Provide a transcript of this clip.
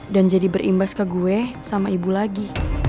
dan jadi berimbas ke gue sama ibu lagi